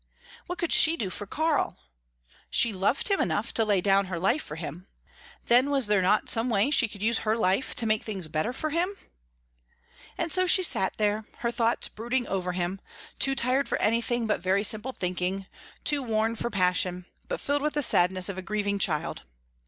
What could she do for Karl? She loved him enough to lay down her life for him. Then was there not some way she could use her life to make things better for him? And so she sat there, her thoughts brooding over him, too tired for anything but very simple thinking, too worn for passion, but filled with the sadness of a grieving child.